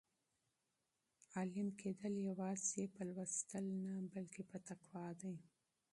عالم کېدل یوازې په مطالعې نه بلکې په تقوا دي.